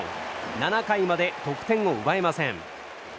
７回まで得点を奪えません。